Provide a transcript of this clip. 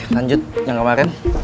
lanjut yang kemarin